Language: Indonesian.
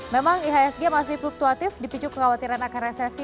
memang ihsg masih fluktuatif dipicu kekhawatiran akan resesi